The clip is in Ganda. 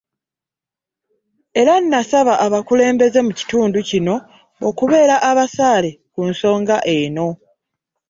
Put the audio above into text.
Era n'asaba abakulembeze mu kitundu kino okubeera abasaale ku nsonga eno